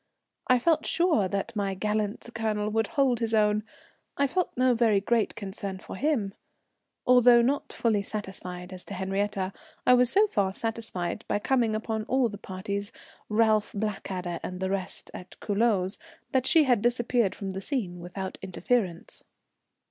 I felt sure that my gallant Colonel would hold his own, I felt no very great concern for him. Although not fully satisfied as to Henriette, I was so far satisfied by coming upon all the parties, Ralph, Blackadder, and the rest, at Culoz, that she had disappeared from the scene without interference.